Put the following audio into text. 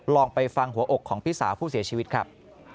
ลองไปฟังหัวอกของพี่สาวผู้เสียชีวิตครับ